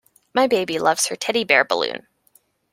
My baby loves her teddy bear balloon.